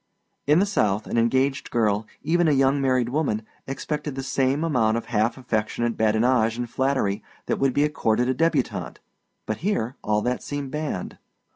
In the South an engaged girl, even a young married woman, expected the same amount of half affectionate badinage and flattery that would be accorded a débutante, but here all that seemed banned.